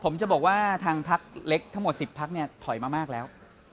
ผมจะบอกว่าทางพักเล็กทั้งหมด๑๐พักเนี่ยถอยมามากแล้ว